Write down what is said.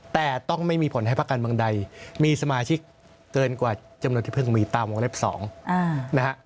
แต่ต้องไม่มีผลให้ภาคการเมืองใดมีสมาชิกเกินกว่าจำนวนที่เพิ่งมีตามวงเล็บ๒นะฮะ